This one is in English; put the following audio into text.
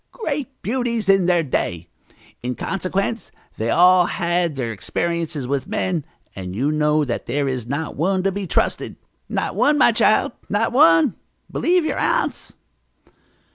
"Great beauties in their day! In consequence they all had their experiences with men, and know that there is not one to be trusted. Not one, my child, not one! Believe your aunts."